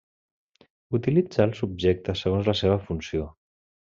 Utilitza els objectes segons la seva funció.